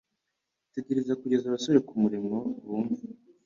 Tegereza kugeza abasore kumurimo bumve